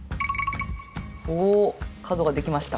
おおっ角ができました。